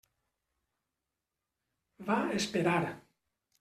Va esperar.